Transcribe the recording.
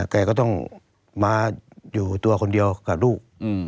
แกก็ต้องมาอยู่ตัวคนเดียวกับลูก